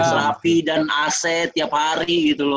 serapi dan aset tiap hari gitu loh